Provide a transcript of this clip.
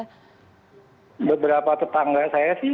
beberapa tetangga saya sih yang tinggal dekat daerah kampung melayu